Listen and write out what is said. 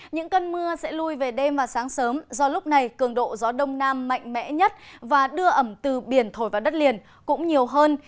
những cơn mưa sẽ lui về đêm và sáng sớm do lúc này cường độ gió đông nam mạnh mẽ nhất và đưa ẩm từ biển thổi vào đất liền cũng nhiều hơn